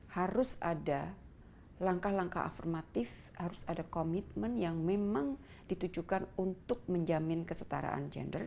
harus ada langkah langkah afirmatif harus ada komitmen yang memang ditujukan untuk menjamin kesetaraan gender